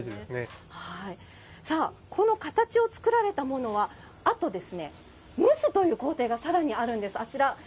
この形を作られたものはあとは蒸すという工程がさらにあるんです。